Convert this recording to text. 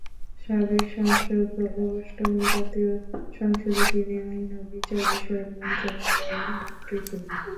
সাবেক সাংসদ ও অষ্টম জাতীয় সংসদে তিনি আইন ও বিচার বিষয়ক মন্ত্রণালয়ের মন্ত্রী ছিলেন।